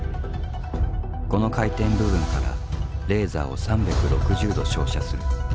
この回転部分からレーザーを３６０度照射する。